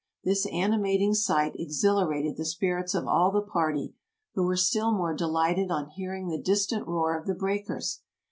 This animating sight exhilarated the spirits of all the party, who were still more delighted on hearing the distant roar of the breakers.